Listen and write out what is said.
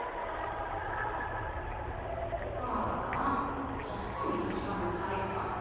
ああ明日も１時間目体育かよ。